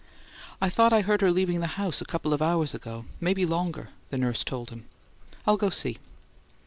"I thought I heard her leaving the house a couple of hours ago maybe longer," the nurse told him. "I'll go see."